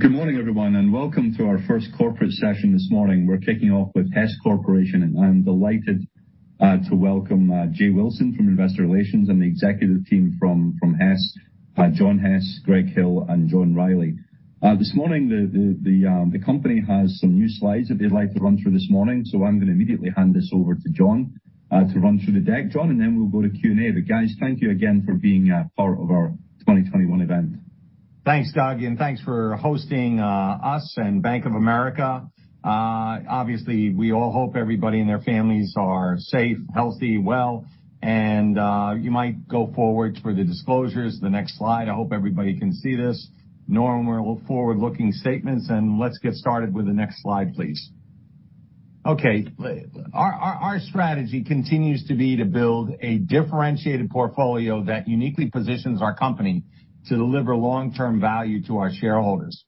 Good morning, everyone, and welcome to our first corporate session this morning. We're kicking off with Hess Corporation. I'm delighted to welcome Jay Wilson from Investor Relations and the executive team from Hess, John Hess, Greg Hill and John Rielly. This morning, the company has some new slides that they'd like to run through this morning. I'm gonna immediately hand this over to John to run through the deck. John, and then we'll go to Q&A. Guys, thank you again for being part of our 2021 event. Thanks, Doug, and thanks for hosting us and Bank of America. Obviously, we all hope everybody and their families are safe, healthy, well. You might go forward for the disclosures, the next slide. I hope everybody can see this. Norm, we're forward-looking statements, and let's get started with the next slide, please. Okay. Our strategy continues to be to build a differentiated portfolio that uniquely positions our company to deliver long-term value to our shareholders.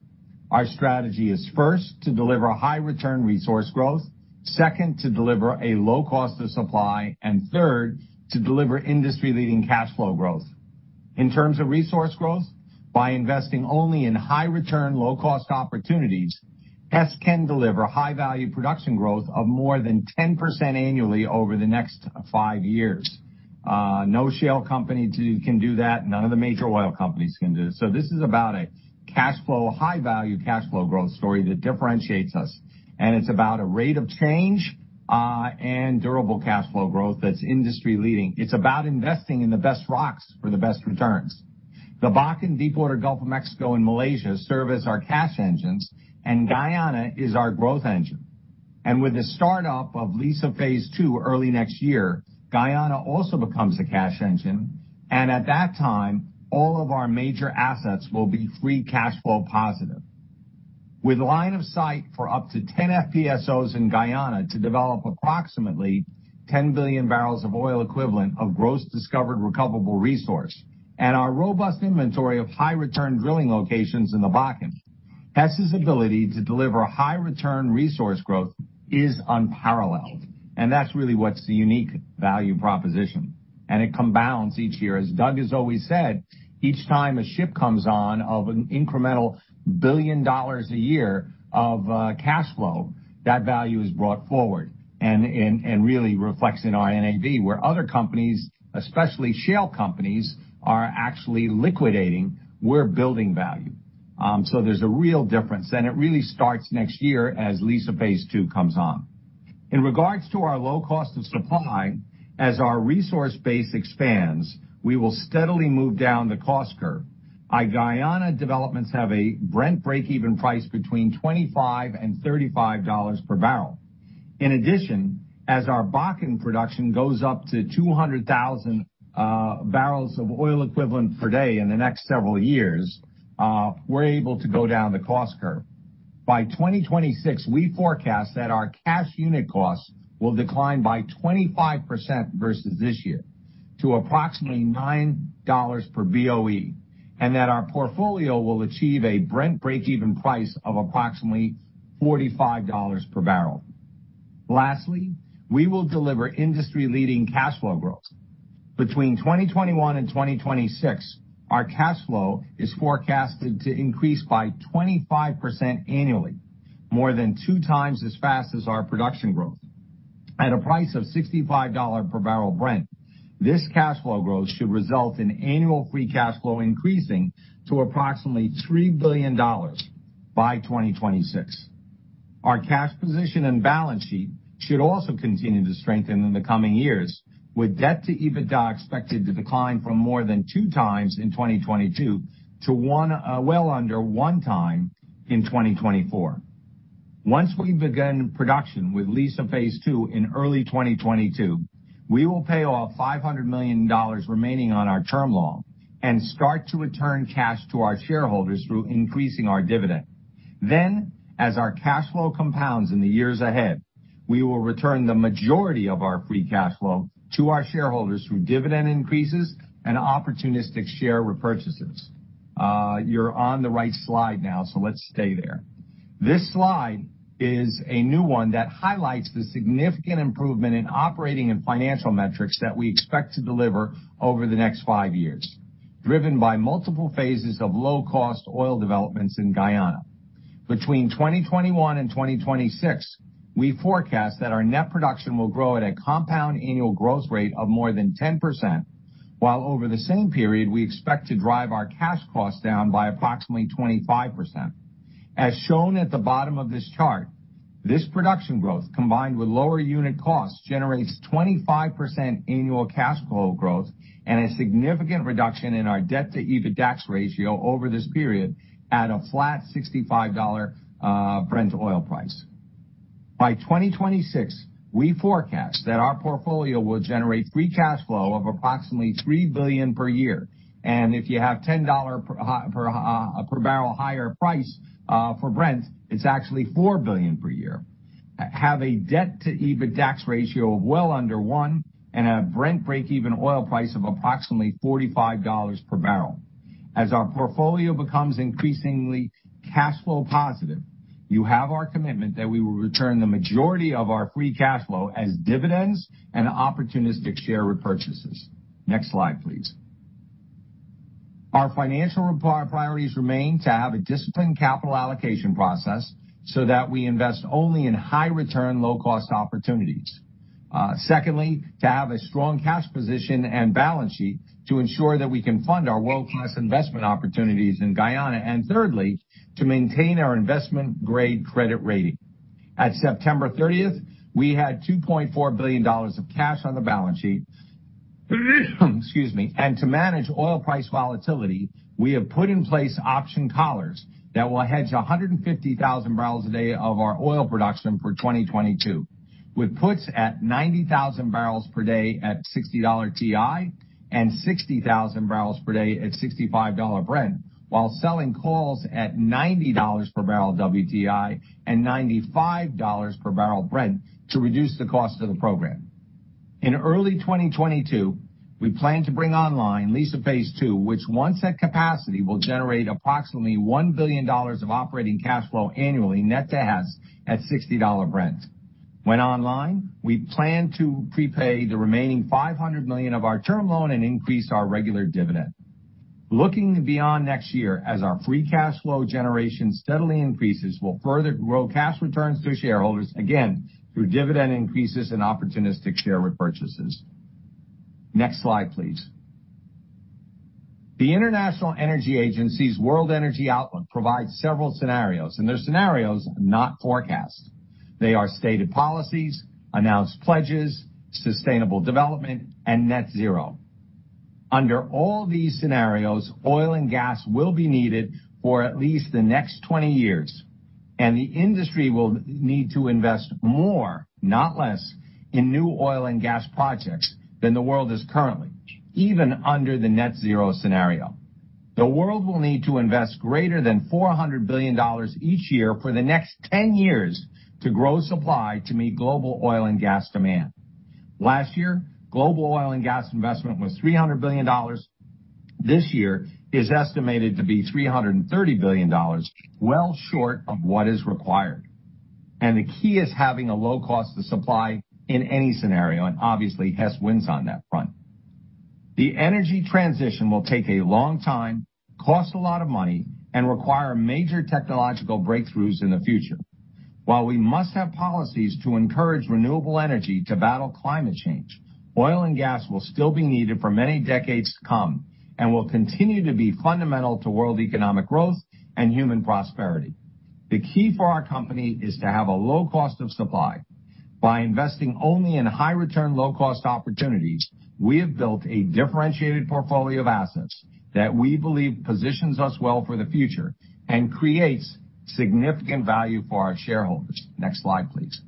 Our strategy is, first, to deliver high return resource growth, second, to deliver a low cost of supply, and third, to deliver industry-leading cash flow growth. In terms of resource growth, by investing only in high return, low cost opportunities, Hess can deliver high value production growth of more than 10% annually over the next five years. No shale company can do that. None of the major oil companies can do this. This is about a cash flow, high value cash flow growth story that differentiates us. It's about a rate of change, and durable cash flow growth that's industry-leading. It's about investing in the best rocks for the best returns. The Bakken Deepwater Gulf of Mexico and Malaysia serve as our cash engines, and Guyana is our growth engine. With the start up of Liza phase II early next year, Guyana also becomes a cash engine, and at that time, all of our major assets will be free cash flow positive. With line of sight for up to 10 FPSOs in Guyana to develop approximately 10 Bbbl of oil equivalent of gross discovered recoverable resource and our robust inventory of high return drilling locations in the Bakken, Hess's ability to deliver high return resource growth is unparalleled, and that's really what's the unique value proposition. It compounds each year. As Doug has always said, each time a ship comes on of an incremental $1 billion a year of cash flow, that value is brought forward and really reflects in our NAV. Where other companies, especially shale companies, are actually liquidating, we're building value. There's a real difference. It really starts next year as Liza phase II comes on. In regards to our low cost of supply, as our resource base expands, we will steadily move down the cost curve. Our Guyana developments have a Brent breakeven price between $25 and $35 per bbl. In addition, as our Bakken production goes up to 200,000 bbl of oil equivalent per day in the next several years, we're able to go down the cost curve. By 2026, we forecast that our cash unit costs will decline by 25% versus this year to approximately $9 per BOE, and that our portfolio will achieve a Brent breakeven price of approximately $45 per bbl. Lastly, we will deliver industry-leading cash flow growth. Between 2021 and 2026, our cash flow is forecasted to increase by 25% annually, more than 2x as fast as our production growth. At a price of $65 per bbl Brent, this cash flow growth should result in annual free cash flow increasing to approximately $3 billion by 2026. Our cash position and balance sheet should also continue to strengthen in the coming years, with debt to EBITDA expected to decline from more than 2x in 2022 to 1x, well under 1x in 2024. Once we begin production with Liza phase II in early 2022, we will pay off $500 million remaining on our term loan and start to return cash to our shareholders through increasing our dividend. As our cash flow compounds in the years ahead, we will return the majority of our free cash flow to our shareholders through dividend increases and opportunistic share repurchases. You're on the right slide now, so let's stay there. This slide is a new one that highlights the significant improvement in operating and financial metrics that we expect to deliver over the next five years, driven by multiple phases of low cost oil developments in Guyana. Between 2021 and 2026, we forecast that our net production will grow at a compound annual growth rate of more than 10%, while over the same period, we expect to drive our cash costs down by approximately 25%. As shown at the bottom of this chart, this production growth, combined with lower unit costs, generates 25% annual cash flow growth and a significant reduction in our debt to EBITDAX ratio over this period at a flat $65 Brent oil price. By 2026, we forecast that our portfolio will generate free cash flow of approximately $3 billion per year. If you have $10 per bbl higher price for Brent, it's actually $4 billion per year. We have a debt to EBITDAX ratio of well under one and a Brent breakeven oil price of approximately $45 per bbl. As our portfolio becomes increasingly cash flow positive, you have our commitment that we will return the majority of our free cash flow as dividends and opportunistic share repurchases. Next slide, please. Our financial priorities remain to have a disciplined capital allocation process so that we invest only in high return, low cost opportunities. Secondly, to have a strong cash position and balance sheet to ensure that we can fund our world-class investment opportunities in Guyana. Thirdly, to maintain our investment grade credit rating. At September 30th, we had $2.4 billion of cash on the balance sheet. Excuse me. To manage oil price volatility, we have put in place option collars that will hedge 150,000 bpd of our oil production for 2022, with puts at 90,000 bpd at $60 WTI and 60,000 bpd at $65 Brent, while selling calls at $90 per bbl WTI and $95 per bbl Brent to reduce the cost of the program. In early 2022, we plan to bring online Liza phase II, which once at capacity, will generate approximately $1 billion of operating cash flow annually, net to Hess at $60 Brent. When online, we plan to prepay the remaining $500 million of our term loan and increase our regular dividend. Looking beyond next year as our free cash flow generation steadily increases, we'll further grow cash returns to shareholders, again, through dividend increases and opportunistic share repurchases. Next slide, please. The International Energy Agency's World Energy Outlook provides several scenarios, and they're scenarios, not forecasts. They are stated policies, announced pledges, sustainable development, and net zero. Under all these scenarios, oil and gas will be needed for at least the next 20 years, and the industry will need to invest more, not less, in new oil and gas projects than the world is currently, even under the net zero scenario. The world will need to invest greater than $400 billion each year for the next 10 years to grow supply to meet global oil and gas demand. Last year, global oil and gas investment was $300 billion. This year is estimated to be $330 billion, well short of what is required. The key is having a low cost of supply in any scenario, and obviously, Hess wins on that front. The energy transition will take a long time, cost a lot of money, and require major technological breakthroughs in the future. While we must have policies to encourage renewable energy to battle climate change, oil and gas will still be needed for many decades to come and will continue to be fundamental to world economic growth and human prosperity. The key for our company is to have a low cost of supply. By investing only in high return, low cost opportunities, we have built a differentiated portfolio of assets that we believe positions us well for the future and creates significant value for our shareholders. Next slide, please.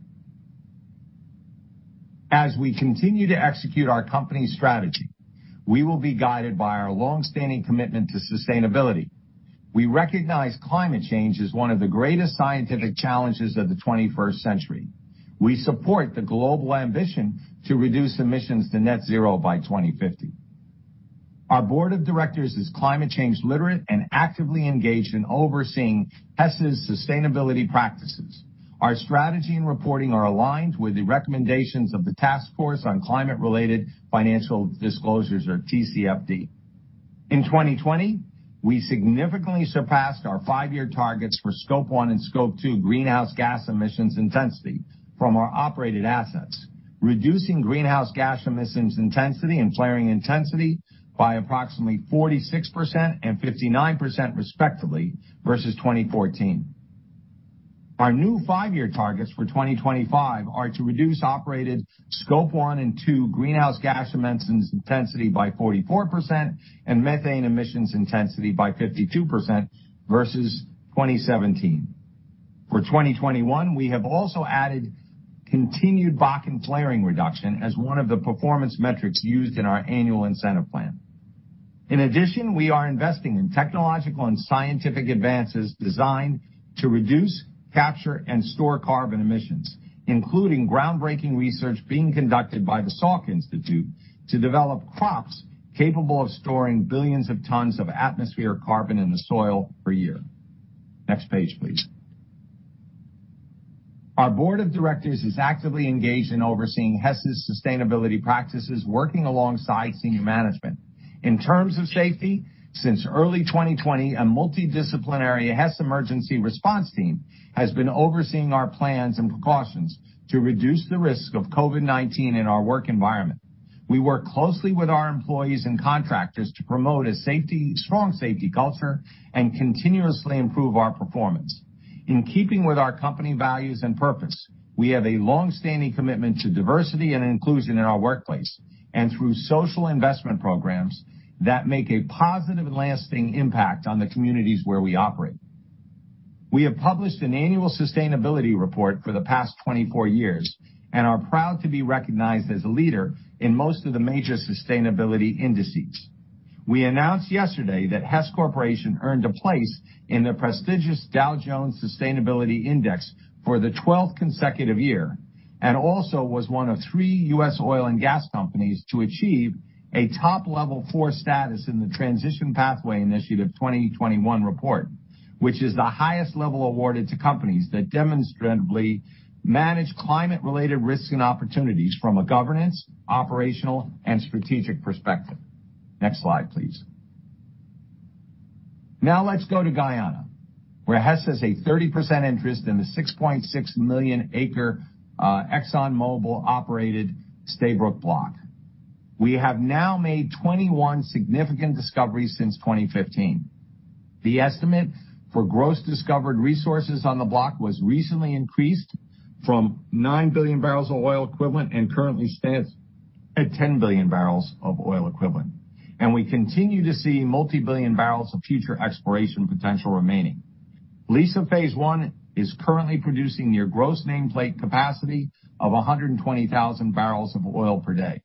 As we continue to execute our company's strategy, we will be guided by our long-standing commitment to sustainability. We recognize climate change as one of the greatest scientific challenges of the 21st century. We support the global ambition to reduce emissions to net zero by 2050. Our Board of Directors is climate change literate and actively engaged in overseeing Hess's sustainability practices. Our strategy and reporting are aligned with the recommendations of the Task Force on Climate-related Financial Disclosures or TCFD. In 2020, we significantly surpassed our five-year targets for Scope 1 and Scope 2 greenhouse gas emissions intensity from our operated assets, reducing greenhouse gas emissions intensity and flaring intensity by approximately 46% and 59%, respectively, versus 2014. Our new five-year targets for 2025 are to reduce operated Scope 1 and 2 greenhouse gas emissions intensity by 44% and methane emissions intensity by 52% versus 2017. For 2021, we have also added continued Bakken flaring reduction as one of the performance metrics used in our annual incentive plan. In addition, we are investing in technological and scientific advances designed to reduce, capture, and store carbon emissions, including groundbreaking research being conducted by the Salk Institute to develop crops capable of storing billions of tons of atmosphere carbon in the soil per year. Next page, please. Our Board of Directors is actively engaged in overseeing Hess' sustainability practices, working alongside senior management. In terms of safety, since early 2020, a multidisciplinary Hess emergency response team has been overseeing our plans and precautions to reduce the risk of COVID-19 in our work environment. We work closely with our employees and contractors to promote a strong safety culture and continuously improve our performance. In keeping with our company values and purpose, we have a long-standing commitment to diversity and inclusion in our workplace and through social investment programs that make a positive and lasting impact on the communities where we operate. We have published an annual sustainability report for the past 24 years and are proud to be recognized as a leader in most of the major sustainability indices. We announced yesterday that Hess Corporation earned a place in the prestigious Dow Jones Sustainability Index for the 12th consecutive year, and also was one of three U.S. oil and gas companies to achieve a top level four status in the Transition Pathway Initiative 2021 report, which is the highest level awarded to companies that demonstratively manage climate-related risks and opportunities from a governance, operational, and strategic perspective. Next slide, please. Now let's go to Guyana, where Hess has a 30% interest in the 6.6 million-acre, ExxonMobil-operated Stabroek Block. We have now made 21 significant discoveries since 2015. The estimate for gross discovered resources on the block was recently increased from 9 Bbbl of oil equivalent and currently stands at 10 Bbbl of oil equivalent. We continue to see multi-billion barrels of future exploration potential remaining. Liza phase I is currently producing near gross nameplate capacity of 120,000 bbl of oil per day.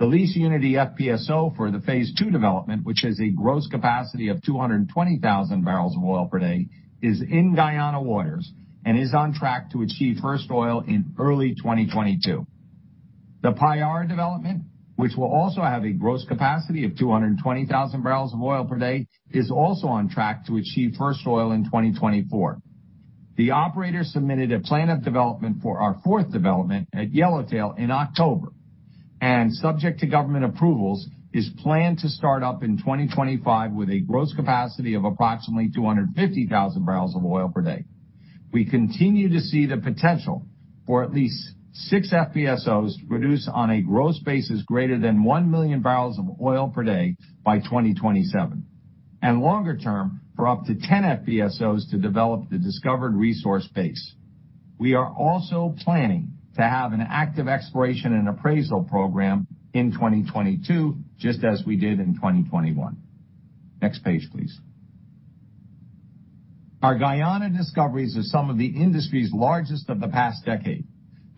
The Liza Unity FPSO for the phase II development, which has a gross capacity of 220,000 bbl of oil per day, is in Guyana waters and is on track to achieve first oil in early 2022. The Payara development, which will also have a gross capacity of 220,000 bbl of oil per day, is also on track to achieve first oil in 2024. The operator submitted a plan of development for our fourth development at Yellowtail in October, and subject to government approvals, is planned to start up in 2025 with a gross capacity of approximately 250,000 bbl of oil per day. We continue to see the potential for at least six FPSOs to produce on a gross basis greater than 1 MMbbl of oil per day by 2027, and longer term for up to 10 FPSOs to develop the discovered resource base. We are also planning to have an active exploration and appraisal program in 2022, just as we did in 2021. Next page, please. Our Guyana discoveries are some of the industry's largest of the past decade.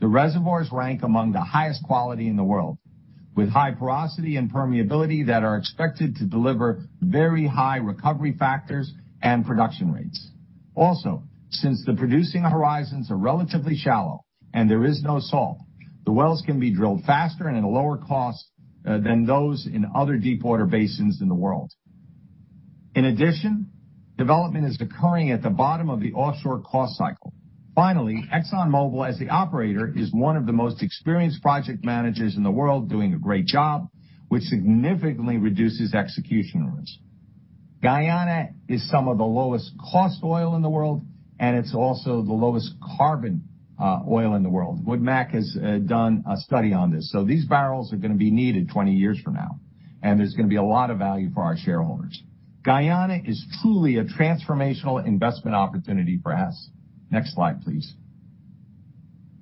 The reservoirs rank among the highest quality in the world, with high porosity and permeability that are expected to deliver very high recovery factors and production rates. Also, since the producing horizons are relatively shallow and there is no salt, the wells can be drilled faster and at a lower cost than those in other deepwater basins in the world. In addition, development is occurring at the bottom of the offshore cost cycle. Finally, ExxonMobil, as the operator, is one of the most experienced project managers in the world doing a great job, which significantly reduces execution risk. Guyana is some of the lowest cost oil in the world, and it's also the lowest carbon oil in the world. Wood Mac has done a study on this. These barrels are gonna be needed 20 years from now, and there's gonna be a lot of value for our shareholders. Guyana is truly a transformational investment opportunity for Hess. Next slide, please.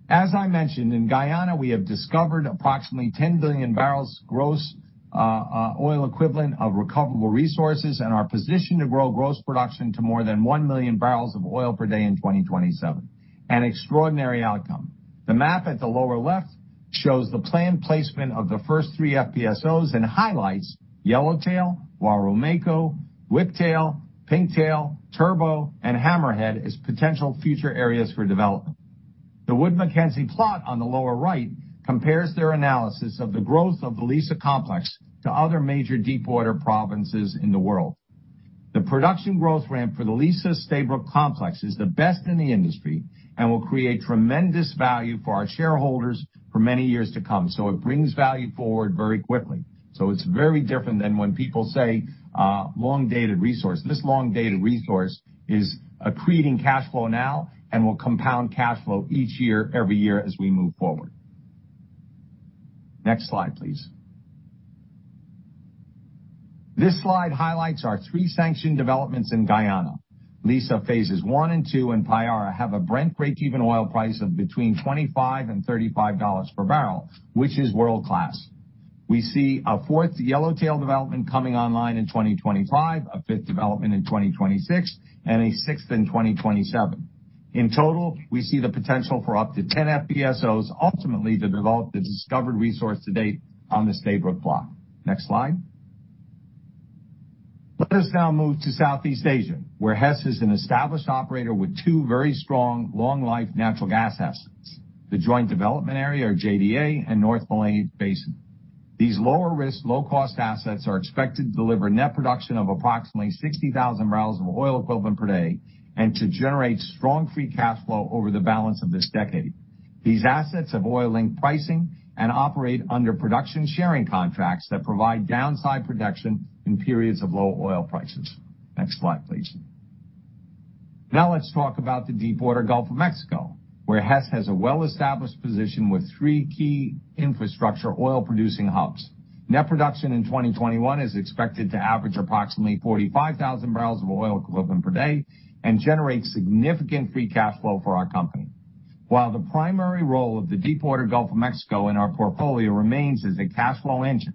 As I mentioned, in Guyana, we have discovered approximately 10 Bbbl gross oil equivalent of recoverable resources and are positioned to grow gross production to more than 1 MMbbl of oil per day in 2027, an extraordinary outcome. The map at the lower left shows the planned placement of the first three FPSOs and highlights Yellowtail, Warromako, Whiptail, Pinktail, Turbot, and Hammerhead as potential future areas for development. The Wood Mackenzie plot on the lower right compares their analysis of the growth of the Liza complex to other major deepwater provinces in the world. The production growth ramp for the Liza Stabroek complex is the best in the industry and will create tremendous value for our shareholders for many years to come. It brings value forward very quickly. It's very different than when people say, long-dated resource. This long-dated resource is accreting cash flow now and will compound cash flow each year, every year as we move forward. Next slide, please. This slide highlights our three sanctioned developments in Guyana. Liza phase I and phase II and Payara have a Brent breakeven oil price of between $25 and $35 per bbl, which is world-class. We see a fourth Yellowtail development coming online in 2025, a fifth development in 2026, and a sixth in 2027. In total, we see the potential for up to 10 FPSOs ultimately to develop the discovered resource to date on the Stabroek Block. Next slide. Let us now move to Southeast Asia, where Hess is an established operator with two very strong long-life natural gas assets, the Joint Development Area, or JDA, and North Malay Basin. These lower-risk, low-cost assets are expected to deliver net production of approximately 60,000 bbl of oil equivalent per day and to generate strong free cash flow over the balance of this decade. These assets have oil-linked pricing and operate under production sharing contracts that provide downside protection in periods of low oil prices. Next slide, please. Now let's talk about the deepwater Gulf of Mexico, where Hess has a well-established position with three key infrastructure oil-producing hubs. Net production in 2021 is expected to average approximately 45,000 bbl of oil equivalent per day and generate significant free cash flow for our company. While the primary role of the deepwater Gulf of Mexico in our portfolio remains as a cash flow engine,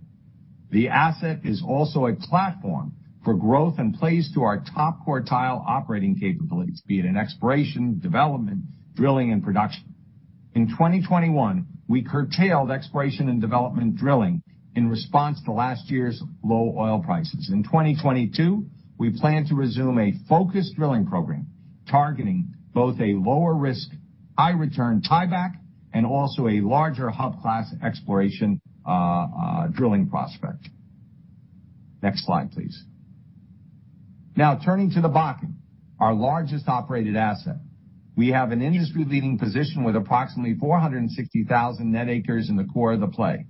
the asset is also a platform for growth and plays to our top quartile operating capabilities, be it in exploration, development, drilling, and production. In 2021, we curtailed exploration and development drilling in response to last year's low oil prices. In 2022, we plan to resume a focused drilling program targeting both a lower risk, high return tieback and also a larger hub class exploration drilling prospect. Next slide, please. Now, turning to the Bakken, our largest operated asset. We have an industry-leading position with approximately 460,000 net acres in the core of the play.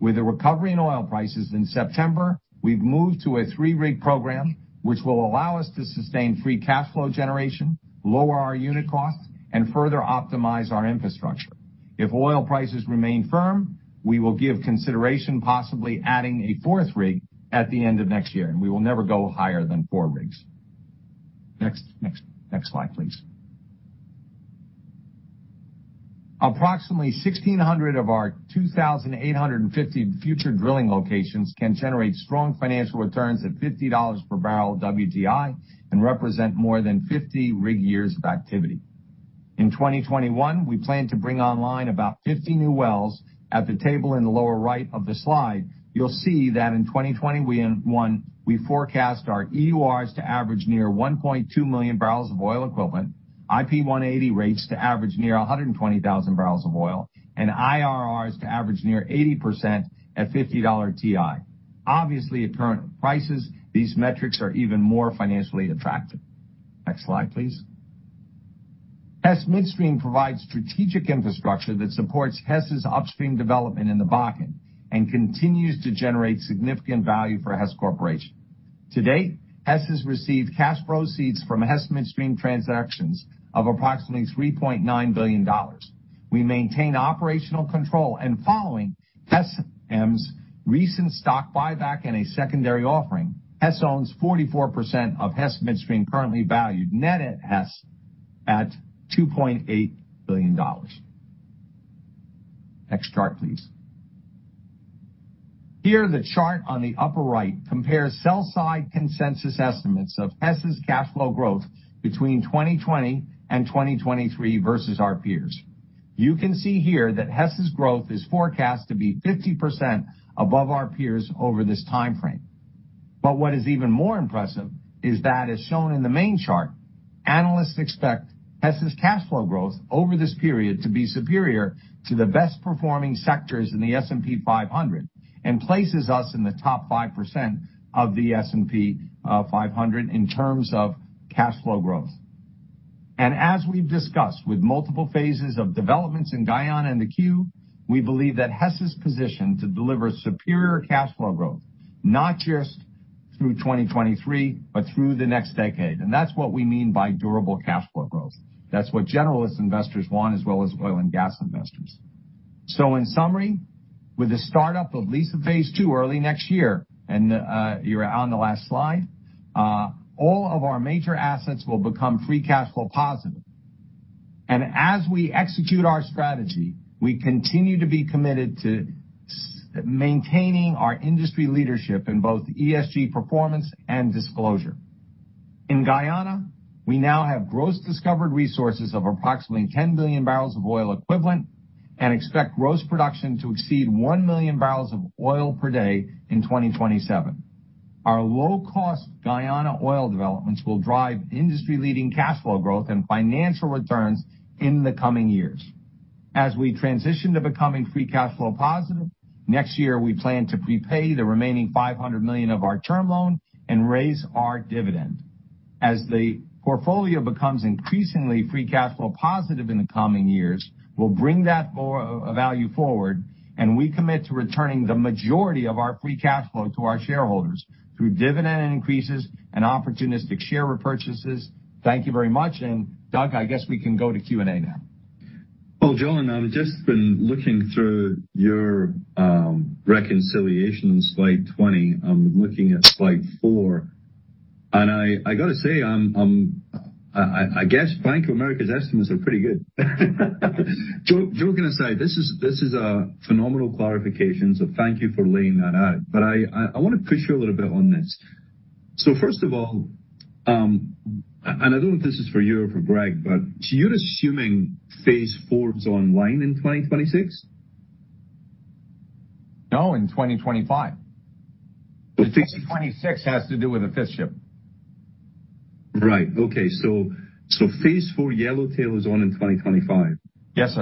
With the recovery in oil prices in September, we've moved to a three-rig program, which will allow us to sustain free cash flow generation, lower our unit costs, and further optimize our infrastructure. If oil prices remain firm, we will give consideration possibly adding a fourth rig at the end of next year, and we will never go higher than four rigs. Next slide, please. Approximately 1,600 of our 2,850 future drilling locations can generate strong financial returns at $50 per bbl WTI and represent more than 50 rig years of activity. In 2021, we plan to bring online about 50 new wells. At the table in the lower right of the slide, you'll see that in 2021, we forecast our EURs to average near 1.2 MMbbl of oil equivalent, IP 180 rates to average near 120,000 bbl of oil, and IRRs to average near 80% at $50 WTI. Obviously, at current prices, these metrics are even more financially attractive. Next slide, please. Hess Midstream provides strategic infrastructure that supports Hess' upstream development in the Bakken and continues to generate significant value for Hess Corporation. To date, Hess has received cash proceeds from Hess Midstream transactions of approximately $3.9 billion. We maintain operational control, and following Hess Midstream's recent stock buyback and a secondary offering, Hess owns 44% of Hess Midstream, currently valued net at Hess at $2.8 billion. Next chart, please. Here, the chart on the upper right compares sell-side consensus estimates of Hess' cash flow growth between 2020 and 2023 versus our peers. You can see here that Hess' growth is forecast to be 50% above our peers over this time frame. What is even more impressive is that, as shown in the main chart, analysts expect Hess' cash flow growth over this period to be superior to the best-performing sectors in the S&P 500 and places us in the top 5% of the S&P 500 in terms of cash flow growth. As we've discussed with multiple phases of developments in Guyana and the queue, we believe that Hess is positioned to deliver superior cash flow growth, not just through 2023, but through the next decade. That's what we mean by durable cash flow growth. That's what generalist investors want as well as oil and gas investors. In summary, with the startup of Liza phase II early next year, and you're on the last slide, all of our major assets will become free cash flow positive. As we execute our strategy, we continue to be committed to maintaining our industry leadership in both ESG performance and disclosure. In Guyana, we now have gross discovered resources of approximately 10 Bbbl of oil equivalent and expect gross production to exceed 1 MMbbl of oil per day in 2027. Our low-cost Guyana oil developments will drive industry-leading cash flow growth and financial returns in the coming years. As we transition to becoming free cash flow positive next year, we plan to prepay the remaining $500 million of our term loan and raise our dividend. As the portfolio becomes increasingly free cash flow positive in the coming years, we'll bring that more value forward, and we commit to returning the majority of our free cash flow to our shareholders through dividend increases and opportunistic share repurchases. Thank you very much. Doug, I guess we can go to Q&A now. Well, John, I've just been looking through your reconciliation in slide 20. I'm looking at slide four. I gotta say, I guess Bank of America's estimates are pretty good. Joking aside, this is a phenomenal clarification, so thank you for laying that out. I wanna push you a little bit on this. First of all, I don't know if this is for you or for Greg, but you're assuming phase IV is online in 2026? No, in 2025. 2026 has to do with the fifth ship. Right. Okay. Phase IV Yellowtail is on in 2025. Yes.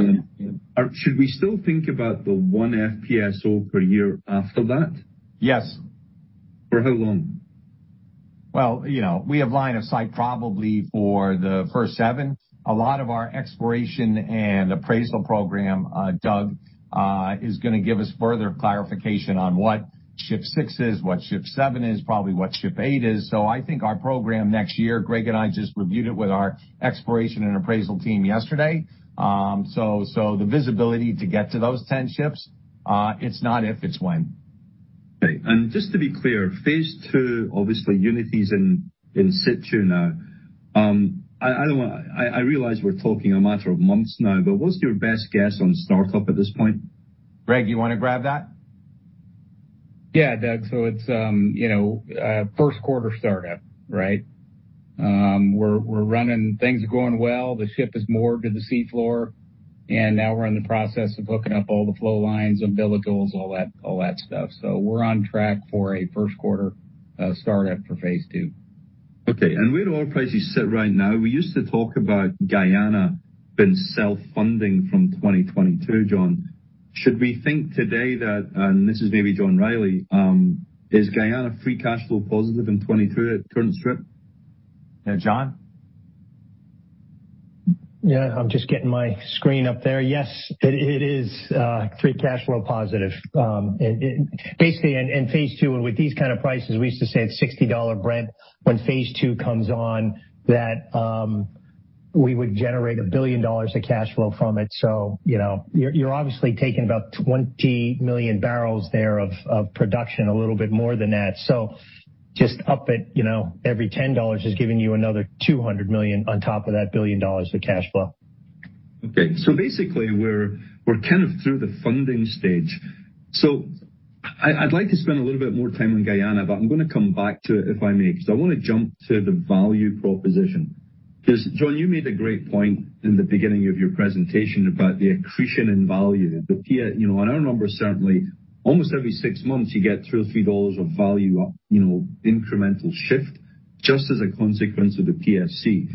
Should we still think about the one FPSO per year after that? Yes. For how long? Well, you know, we have line of sight probably for the first seven. A lot of our exploration and appraisal program, Doug, is gonna give us further clarification on what Ship Six is, what Ship Seven is, probably what Ship Eight is. I think our program next year, Greg and I just reviewed it with our exploration and appraisal team yesterday. The visibility to get to those 10 ships, it's not if, it's when. Okay. Just to be clear, phase II, obviously Unity's in situ now. I realize we're talking a matter of months now, but what's your best guess on startup at this point? Greg, you wanna grab that? Yeah. Doug, so it's first quarter startup, right? We're running. Things are going well. The ship is moored to the sea floor, and now we're in the process of hooking up all the flow lines, umbilicals, all that stuff. We're on track for a first quarter startup for phase II. Okay. Where do oil prices sit right now? We used to talk about Guyana being self-funding from 2022, John. Should we think today that, and this is maybe John Rielly, is Guyana free cash flow positive in 2022 at current strip? Yeah. John? Yeah, I'm just getting my screen up there. Yes, it is free cash flow positive. And basically in phase II and with these kind of prices, we used to say at $60 Brent, when phase II comes on that, we would generate $1 billion of cash flow from it. You know, you're obviously talking about 20 MMbbl there of production, a little bit more than that. Just at, you know, every $10 is giving you another $200 million on top of that $1 billion of cash flow. Okay. Basically, we're kind of through the funding stage. I'd like to spend a little bit more time on Guyana, but I'm gonna come back to it, if I may. I wanna jump to the value proposition. 'Cause John, you made a great point in the beginning of your presentation about the accretion and value. You know, on our numbers, certainly almost every months, you get $2-$3 of value up, you know, incremental shift just as a consequence of the PSC.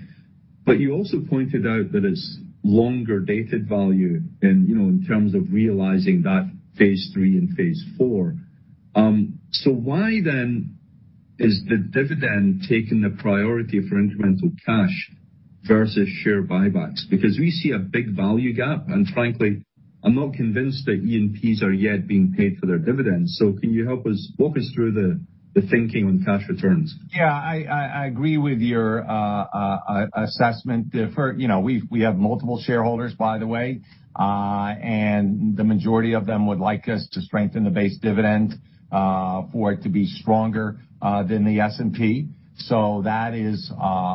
But you also pointed out that it's longer-dated value in, you know, in terms of realizing that phase III and phase IV. Why then is the dividend taking the priority for incremental cash versus share buybacks? Because we see a big value gap, and frankly, I'm not convinced that E&Ps are yet being paid for their dividends. Can you walk us through the thinking on cash returns? Yeah. I agree with your assessment therefore. You know, we have multiple shareholders, by the way, and the majority of them would like us to strengthen the base dividend for it to be stronger than the S&P. That is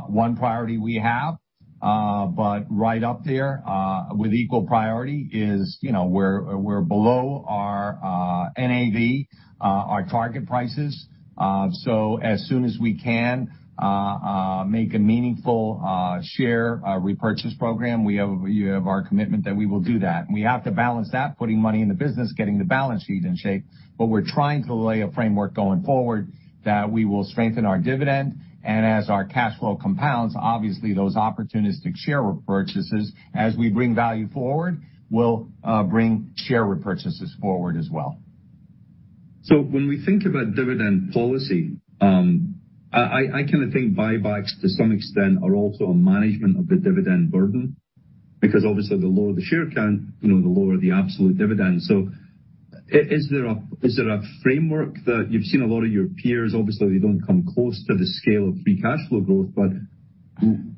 one priority we have. Right up there with equal priority is, you know, we're below our NAV, our target prices. As soon as we can make a meaningful share repurchase program, you have our commitment that we will do that. We have to balance that, putting money in the business, getting the balance sheet in shape. We're trying to lay a framework going forward that we will strengthen our dividend. As our cash flow compounds, obviously those opportunistic share repurchases, as we bring value forward, we'll bring share repurchases forward as well. When we think about dividend policy, I kinda think buybacks to some extent are also a management of the dividend burden because obviously the lower the share count, you know, the lower the absolute dividend. Is there a framework that you've seen a lot of your peers, obviously they don't come close to the scale of free cash flow growth, but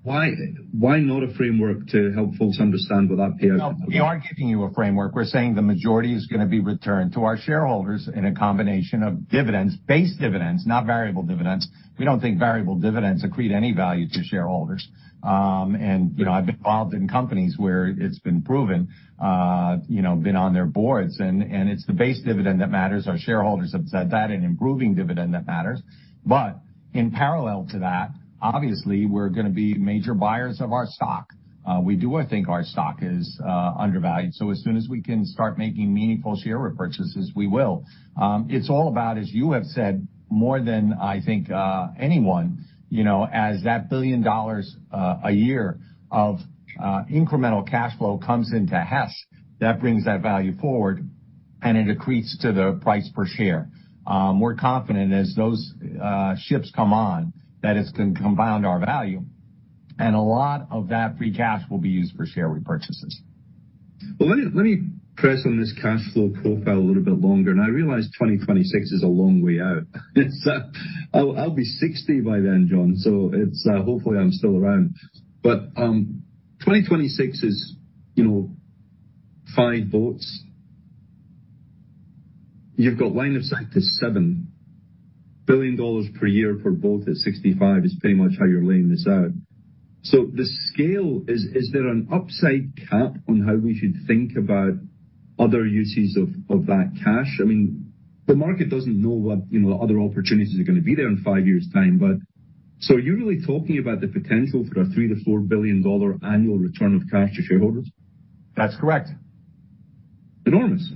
why not a framework to help folks understand where that payout is gonna be? No, we aren't giving you a framework. We're saying the majority is gonna be returned to our shareholders in a combination of dividends, base dividends, not variable dividends. We don't think variable dividends accrete any value to shareholders. You know, I've been involved in companies where it's been proven, you know, been on their boards and it's the base dividend that matters. Our shareholders have said that an improving dividend that matters. In parallel to that, obviously, we're gonna be major buyers of our stock. We do think our stock is undervalued, so as soon as we can start making meaningful share repurchases, we will. It's all about, as you have said more than I think anyone, you know, as that $1 billion a year of incremental cash flow comes into Hess, that brings that value forward, and it accretes to the price per share. We're confident as those ships come on, that it's gonna compound our value, and a lot of that free cash will be used for share repurchases. Well, let me press on this cash flow profile a little bit longer. I realize 2026 is a long way out. I'll be 60 by then, John. Hopefully, I'm still around. 2026 is, you know, five boats. You've got line of sight to $7 billion per year per boat at $65 is pretty much how you're laying this out. The scale, is there an upside cap on how we should think about other uses of that cash? I mean, the market doesn't know what, you know, other opportunities are gonna be there in five years' time, but so are you really talking about the potential for a $3 billion-$4 billion annual return of cash to shareholders? That's correct. Enormous.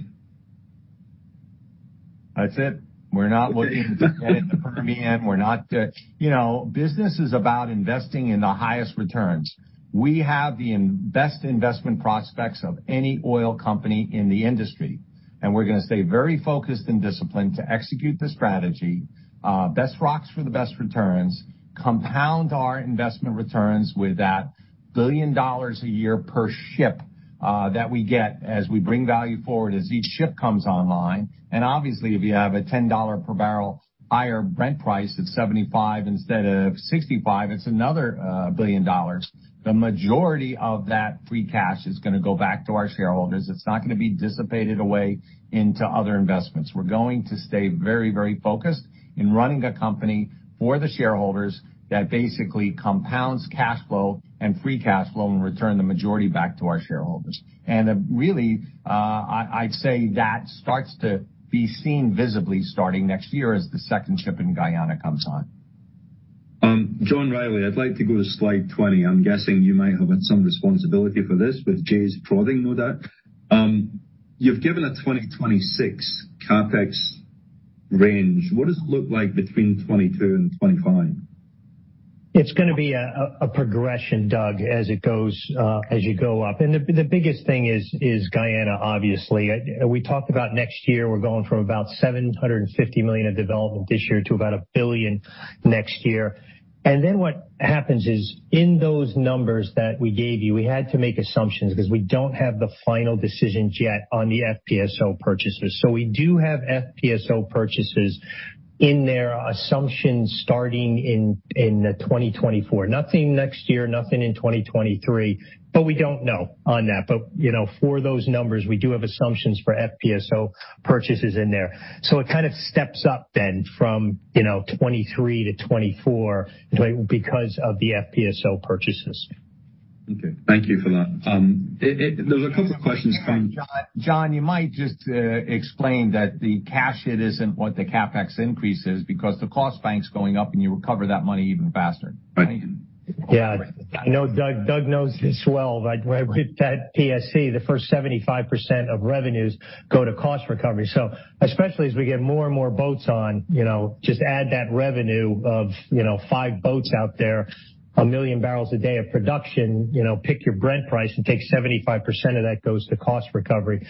That's it. We're not looking to get in the Permian. We're not. You know, business is about investing in the highest returns. We have the best investment prospects of any oil company in the industry, and we're gonna stay very focused and disciplined to execute the strategy, best rocks for the best returns, compound our investment returns with that $1 billion a year per ship that we get as we bring value forward as each ship comes online. Obviously, if you have a $10 per bbl higher Brent price at $75 instead of $65, it's another $1 billion. The majority of that free cash is gonna go back to our shareholders. It's not gonna be dissipated away into other investments. We're going to stay very, very focused in running a company for the shareholders that basically compounds cash flow and free cash flow and return the majority back to our shareholders. Really, I'd say that starts to be seen visibly starting next year as the second ship in Guyana comes on. John Rielly, I'd like to go to slide 20. I'm guessing you might have had some responsibility for this, but Jay's prodding me on that. You've given a 2026 CapEx range. What does it look like between 2022 and 2025? It's gonna be a progression, Doug, as you go up. The biggest thing is Guyana obviously. We talked about next year we're going from about $750 million of development this year to about $1 billion next year. Then what happens is, in those numbers that we gave you, we had to make assumptions because we don't have the final decisions yet on the FPSO purchases. We do have FPSO purchases in their assumptions starting in 2024. Nothing next year, nothing in 2023, but we don't know on that. You know, for those numbers, we do have assumptions for FPSO purchases in there. It kind of steps up then from 2023 to 2024 because of the FPSO purchases. Okay, thank you for that. There's a couple questions from John, you might just explain that the cash hit isn't what the CapEx increase is because the cost bank's going up, and you recover that money even faster. Right. Yeah. I know Doug knows this well, like, with that PSC, the first 75% of revenues go to cost recovery. Especially as we get more and more boats on, you know, just add that revenue of, you know, five boats out there, 1 MMbpd of production, you know, pick your Brent price and take 75% of that goes to cost recovery.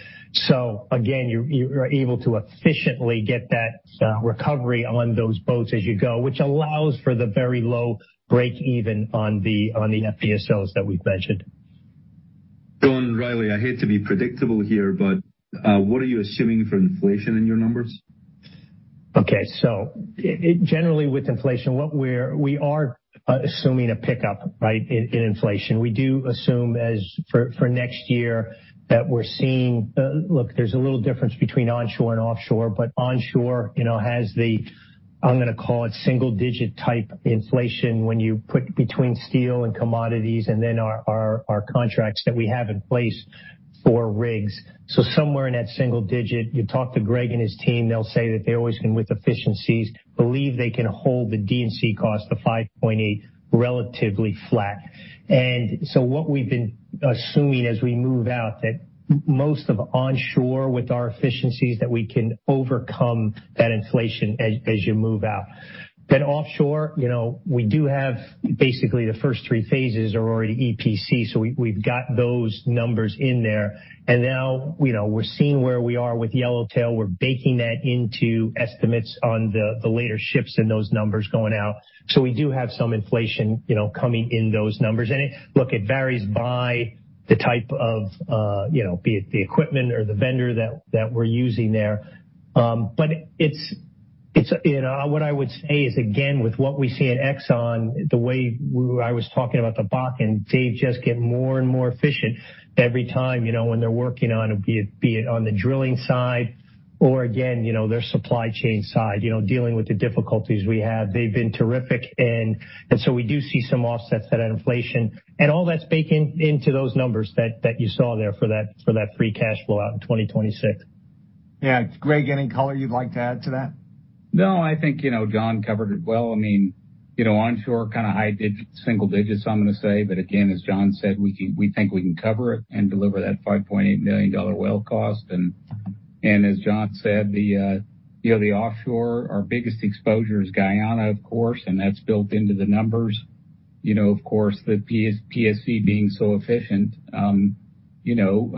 Again, you're able to efficiently get that recovery on those boats as you go, which allows for the very low break-even on the FPSOs that we've mentioned. John Rielly, I hate to be predictable here, but, what are you assuming for inflation in your numbers? Generally, with inflation, we are assuming a pickup, right, in inflation. We do assume for next year that we're seeing. There's a little difference between onshore and offshore, but onshore, you know, has the, I'm gonna call it single digit type inflation when you put between steel and commodities and then our contracts that we have in place for rigs. Somewhere in that single digit. You talk to Greg and his team, they'll say that they always can, with efficiencies, believe they can hold the D&C cost to $5.8 million relatively flat. What we've been assuming as we move out, that most of onshore with our efficiencies, that we can overcome that inflation as you move out. Offshore, you know, we do have basically the first three phases are already EPC, so we've got those numbers in there. Now, you know, we're seeing where we are with Yellowtail. We're baking that into estimates on the later ships and those numbers going out. So we do have some inflation, you know, coming in those numbers. Look, it varies by the type of, you know, be it the equipment or the vendor that we're using there. But it's, you know. What I would say is, again, with what we see at Exxon, the way I was talking about the Bakken, they just get more and more efficient every time, you know, when they're working on, be it on the drilling side or again, you know, their supply chain side, you know, dealing with the difficulties we have. They've been terrific, and so we do see some offsets to inflation. All that's baking into those numbers that you saw there for that free cash flow out in 2026. Yeah. Greg, any color you'd like to add to that? No, I think you know, John covered it well. I mean, you know, onshore kind of high single digits, I'm gonna say. But again, as John said, we think we can cover it and deliver that $5.8 million well cost. And as John said, you know, the offshore, our biggest exposure is Guyana, of course, and that's built into the numbers. You know, of course, the PSC being so efficient, you know,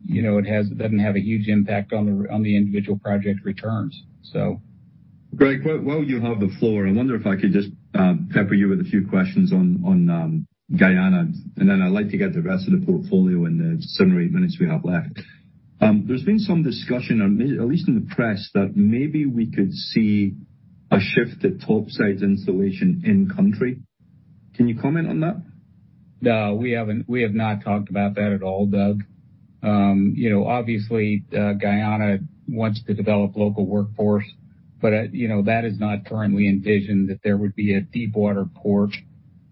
it doesn't have a huge impact on the individual project returns. Greg, while you have the floor, I wonder if I could just pepper you with a few questions on Guyana, and then I'd like to get the rest of the portfolio in the seven or eight minutes we have left. There's been some discussion, at least in the press, that maybe we could see a shift to topsides installation in country. Can you comment on that? No, we have not talked about that at all, Doug. You know, obviously, Guyana wants to develop local workforce, but, you know, that is not currently envisioned that there would be a deep water port,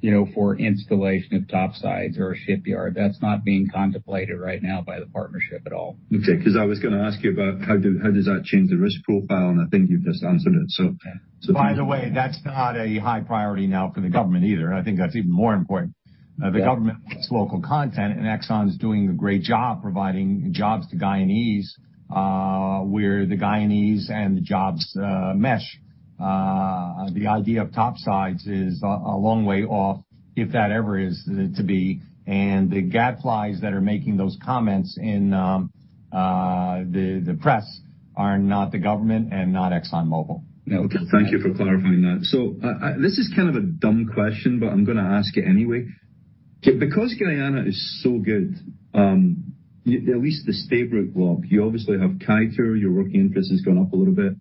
you know, for installation of topsides or a shipyard. That's not being contemplated right now by the partnership at all. Okay. 'Cause I was gonna ask you about how does that change the risk profile? I think you've just answered it. Thank you. By the way, that's not a high priority now for the government either. I think that's even more important. The government wants local content, and Exxon's doing a great job providing jobs to Guyanese, where the Guyanese and the jobs mesh. The idea of topsides is a long way off, if that ever is to be. The gadflies that are making those comments in the press are not the government and not ExxonMobil. Okay. Thank you for clarifying that. This is kind of a dumb question, but I'm gonna ask it anyway. Because Guyana is so good, at least the Stabroek Block, you obviously have Kaieteur, your working interest has gone up a little bit.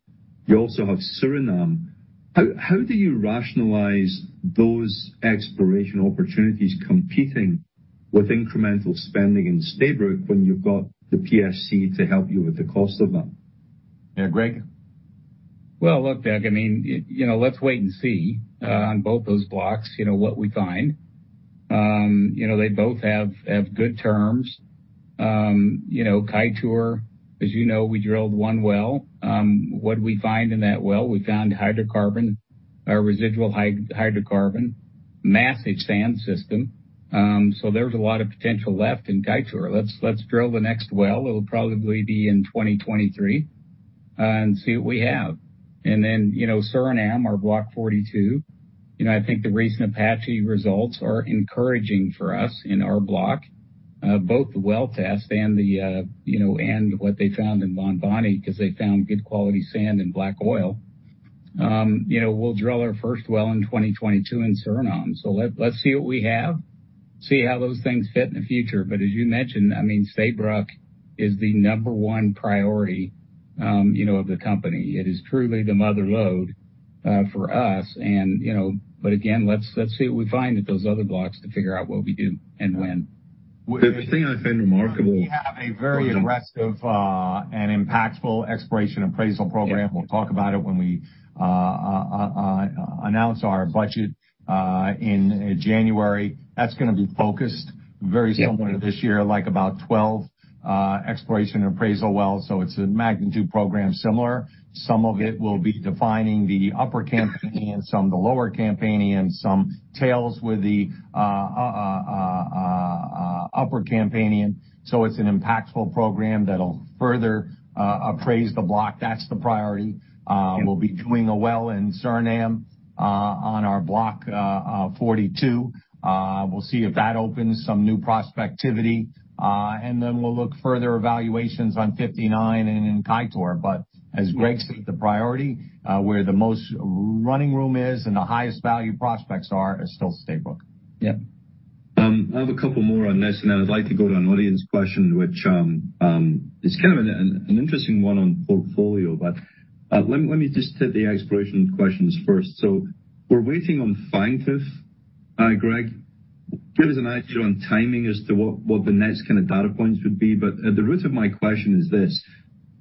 You also have Suriname. How do you rationalize those exploration opportunities competing with incremental spending in Stabroek when you've got the PSC to help you with the cost of them? Yeah, Greg? Well, look, Doug, I mean, you know, let's wait and see on both those blocks, you know, what we find. You know, they both have good terms. You know, Kaieteur, as you know, we drilled one well. What we find in that well, we found hydrocarbon or residual hydrocarbon, massive sand system. So there's a lot of potential left in Kaieteur. Let's drill the next well. It'll probably be in 2023. See what we have. You know, Suriname, our Block 42, you know, I think the recent Apache results are encouraging for us in our block, both the well test and, you know, and what they found in Bonboni because they found good quality sand and black oil. You know, we'll drill our first well in 2022 in Suriname. Let's see what we have, see how those things fit in the future. As you mentioned, I mean, Stabroek is the number one priority, you know, of the company. It is truly the mother lode for us and, you know. Again, let's see what we find at those other blocks to figure out what we do and when. The thing I find remarkable. We have a very aggressive, and impactful exploration appraisal program. Yeah. We'll talk about it when we announce our budget in January. That's going to be focused very similar. Yeah. To this year, like about 12 exploration appraisal wells. It's a magnitude program similar. Some of it will be defining the upper Campanian, some of the lower Campanian, some tails with the upper Campanian. It's an impactful program that'll further appraise the block. That's the priority. Yeah. We'll be doing a well in Suriname on our Block 42. We'll see if that opens some new prospectivity. Then we'll look at further evaluations on 59 and in Kaieteur. As Greg said, the priority where the most running room is and the highest value prospects are is still Stabroek. Yeah. I have a couple more on this, and I'd like to go to an audience question, which is kind of an interesting one on portfolio. Let me just hit the exploration questions first. We're waiting on Fangtooth, Greg. Give us an idea on timing as to what the next kind of data points would be. At the root of my question is this.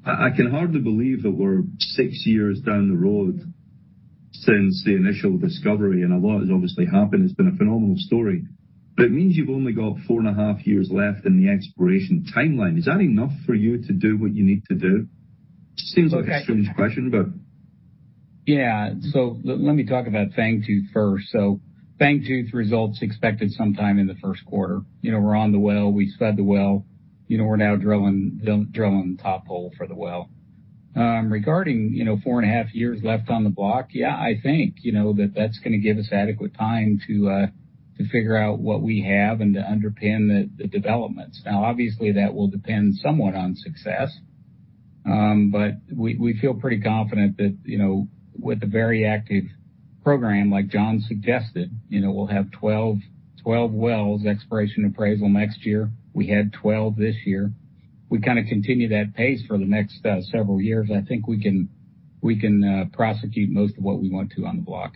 I can hardly believe that we're six years down the road since the initial discovery, and a lot has obviously happened. It's been a phenomenal story. It means you've only got 4.5 years left in the exploration timeline. Is that enough for you to do what you need to do? Seems like a strange question. Yeah. Let me talk about Fangtooth first. Fangtooth results expected sometime in the first quarter. You know, we're on the well, we spud the well. You know, we're now drilling the top hole for the well. Regarding, you know, 4.5 years left on the block, yeah, I think you know that that's going to give us adequate time to figure out what we have and to underpin the developments. Now, obviously, that will depend somewhat on success. We feel pretty confident that, you know, with a very active program like John suggested, you know, we'll have 12 wells exploration appraisal next year. We had 12 this year. We kind of continue that pace for the next several years. I think we can prosecute most of what we want to on the block.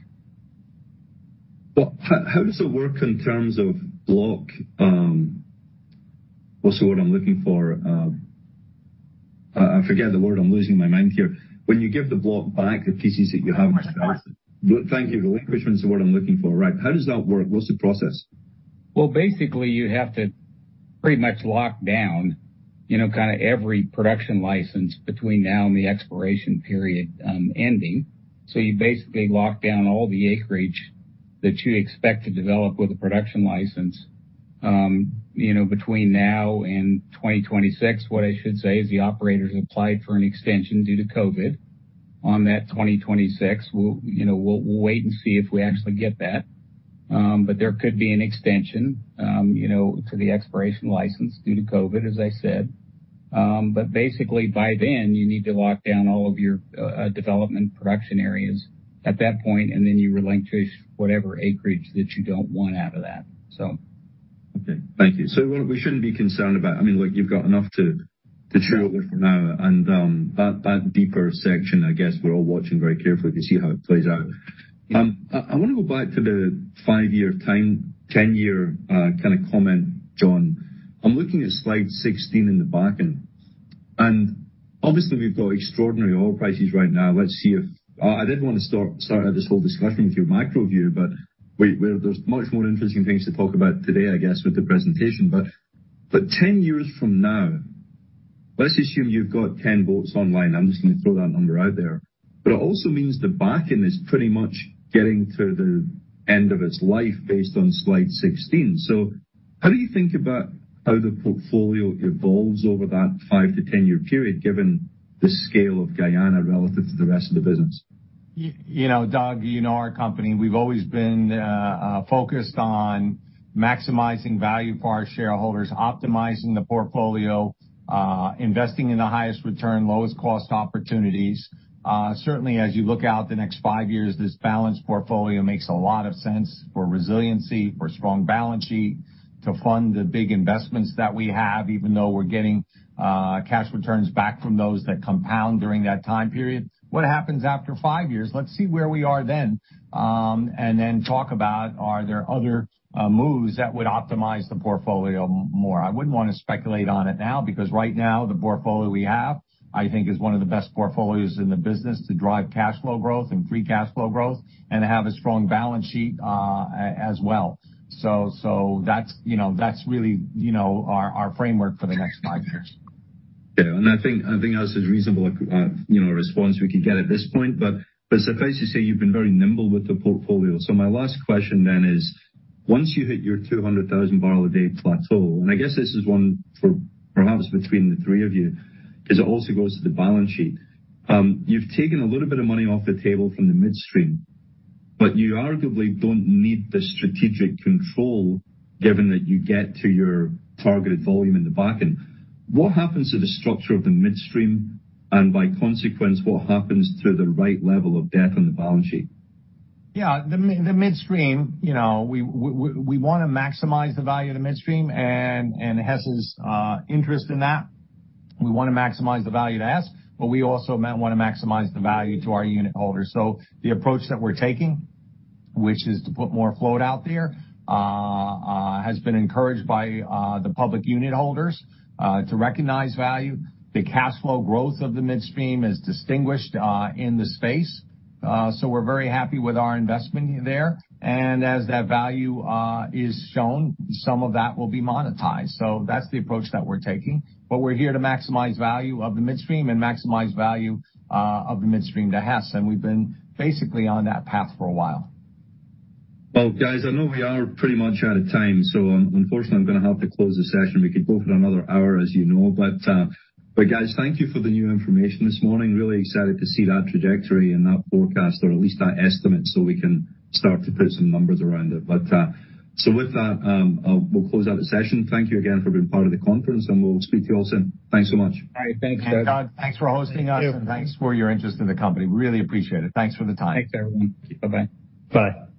How does it work in terms of block? What's the word I'm looking for? I forget the word. I'm losing my mind here. When you give the block back, the pieces that you have. Relinquishment. Thank you. Relinquishment is the word I'm looking for. Right. How does that work? What's the process? Well, basically, you have to pretty much lock down, you know, kind of every production license between now and the expiration period ending. You basically lock down all the acreage that you expect to develop with a production license, you know, between now and 2026. What I should say is the operators applied for an extension due to COVID on that 2026. We'll wait and see if we actually get that. There could be an extension, you know, to the expiration license due to COVID, as I said. Basically by then you need to lock down all of your development production areas at that point, and then you relinquish whatever acreage that you don't want out of that. Okay. Thank you. We shouldn't be concerned about, I mean, look, you've got enough to drill with for now. That deeper section, I guess we're all watching very carefully to see how it plays out. Yeah. I want to go back to the five-year, 10-year kind of comment, John. I'm looking at slide 16 in the Bakken, and obviously we've got extraordinary oil prices right now. Let's see if I did want to start this whole discussion with your macro view, but there's much more interesting things to talk about today, I guess, with the presentation. Ten years from now, let's assume you've got 10 boats online. I'm just going to throw that number out there. It also means the Bakken is pretty much getting to the end of its life based on slide 16. How do you think about how the portfolio evolves over that five to 10-year period, given the scale of Guyana relative to the rest of the business? You know, Doug, our company, we've always been focused on maximizing value for our shareholders, optimizing the portfolio, investing in the highest return, lowest cost opportunities. Certainly as you look out the next five years, this balanced portfolio makes a lot of sense for resiliency, for strong balance sheet to fund the big investments that we have, even though we're getting cash returns back from those that compound during that time period. What happens after five years? Let's see where we are then, and then talk about are there other moves that would optimize the portfolio more. I wouldn't want to speculate on it now because right now the portfolio we have, I think, is one of the best portfolios in the business to drive cash flow growth and free cash flow growth and have a strong balance sheet, as well. That's, you know, that's really, you know, our framework for the next five years. Yeah. I think that's as reasonable a you know a response we could get at this point. But suffice to say, you've been very nimble with the portfolio. My last question then is, once you hit your 200,000 bpd plateau, and I guess this is one for perhaps between the three of you, 'cause it also goes to the balance sheet. You've taken a little bit of money off the table from the midstream, but you arguably don't need the strategic control given that you get to your targeted volume in the back end. What happens to the structure of the midstream, and by consequence, what happens to the right level of debt on the balance sheet? Yeah. The midstream, you know, we want to maximize the value of the midstream, and Hess is interested in that. We want to maximize the value to Hess, but we also want to maximize the value to our unitholders. The approach that we're taking, which is to put more float out there, has been encouraged by the public unitholders to recognize value. The cash flow growth of the midstream is distinguished in the space. We're very happy with our investment there. As that value is shown, some of that will be monetized. That's the approach that we're taking. We're here to maximize value of the midstream and maximize value of the midstream to Hess. We've been basically on that path for a while. Well, guys, I know we are pretty much out of time, so unfortunately, I'm going to have to close the session. We could go for another hour, as you know. Guys, thank you for the new information this morning. Really excited to see that trajectory and that forecast or at least that estimate, so we can start to put some numbers around it. With that, we'll close out the session. Thank you again for being part of the conference, and we'll speak to you all soon. Thanks so much. All right. Thanks, Doug. Doug, thanks for hosting us. Thank you. Thanks for your interest in the company. Really appreciate it. Thanks for the time. Thanks, everyone. Bye. Bye.